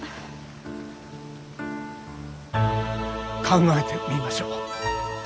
考えてみましょう。